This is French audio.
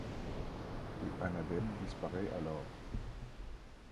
Et Anabel disparaît alors.